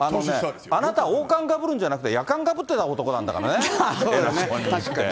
あなた、王冠かぶるんじゃなくて、やかんかぶってた男なんだからね、偉そうに。